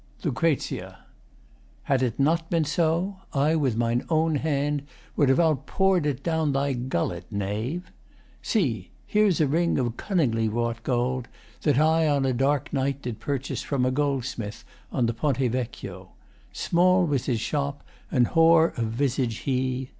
LUC. Had it not been so, I with mine own hand Would have outpour'd it down thy gullet, knave. See, here's a ring of cunningly wrought gold That I, on a dark night, did purchase from A goldsmith on the Ponte Vecchio. Small was his shop, and hoar of visage he.